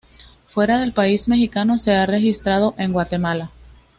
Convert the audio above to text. Fuera del país mexicano, se ha registrado en Guatemala.